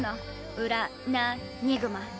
ウラ・ナ・ニグマ。